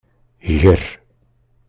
Ger.